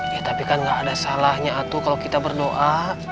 ya tapi kan gak ada salahnya itu kalau kita berdoa